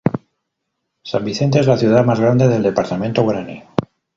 San Vicente es la ciudad más grande del departamento Guaraní.